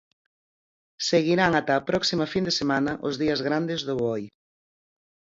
Seguirán ata a próxima fin de semana, os días grandes do boi.